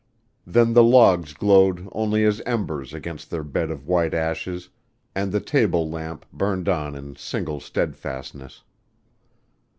Then the logs glowed only as embers against their bed of white ashes and the table lamp burned on in single steadfastness.